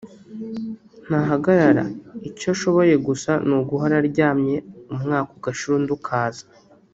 ntahagarara icyo ashoboye gusa ni uguhora aryamye umwaka ugashira undi ukaza